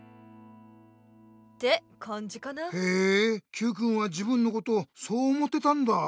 Ｑくんは自分のことそう思ってたんだあ。